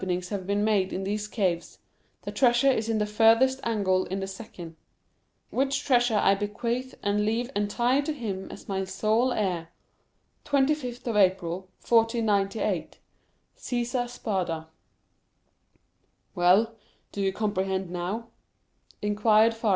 ings have been made in these caves; the treasure is in the furthest a...ngle in the second; which treasure I bequeath and leave en...tire to him as my sole heir. "25th April, 1498. "Cæs...ar † Spada." "Well, do you comprehend now?" inquired Faria.